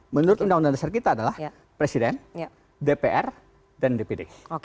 menurut undang undang dasar kita adalah presiden dpr dan dpd